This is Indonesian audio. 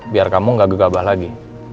biar kamu gak gegabah lagi